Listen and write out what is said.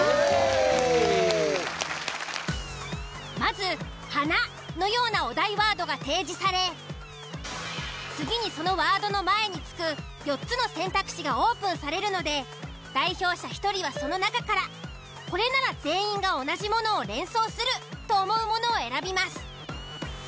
まず「花」のようなお題ワードが提示され次にそのワードの前に付く４つの選択肢がオープンされるので代表者１人はその中からこれなら全員が同じものを連想すると思うものを選びます。